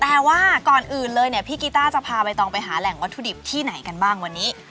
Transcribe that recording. แต่ว่าก่อนอื่นเลยเนี่ยพี่กีต้าจะพาใบตองไปหาแหล่งวัตถุดิบที่ไหนกันบ้างวันนี้